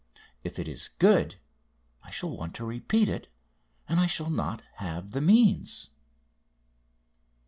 If it is good I shall want to repeat it and I shall not have the means."